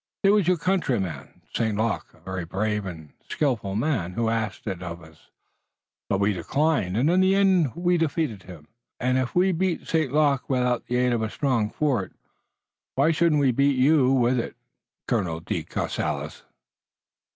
"There was your countryman, St. Luc, a very brave and skillful man, who asked it of us, but we declined, and in the end we defeated him. And if we beat St. Luc without the aid of a strong fort, why shouldn't we beat you with it, Colonel de Courcelles?"